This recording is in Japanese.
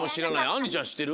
あんりちゃんしってる？